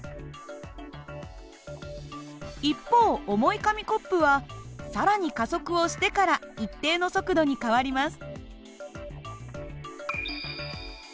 一方重い紙コップは更に加速をしてから一定の速度に変わります。